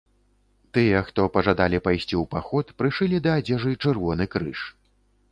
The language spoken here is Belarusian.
Тыя, хто пажадалі пайсці ў паход, прышылі да адзежы чырвоны крыж.